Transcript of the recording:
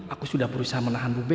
aku sudah berusaha menahan bumi